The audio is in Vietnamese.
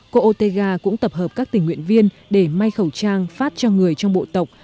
cô ortega cũng tập hợp các tình nguyện viên để may khẩu trang phát cho người trong bộ tập